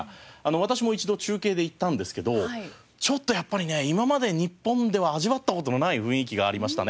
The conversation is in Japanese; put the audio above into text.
私も一度中継で行ったんですけどちょっとやっぱりね今まで日本では味わった事のない雰囲気がありましたね。